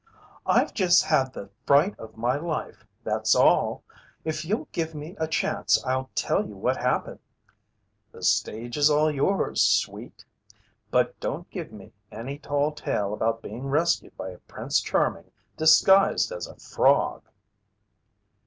"I've just had the fright of my life, that's all. If you'll give me a chance, I'll tell you what happened." "The stage is all yours, sweet. But don't give me any tall tale about being rescued by a Prince Charming disguised as a frog!"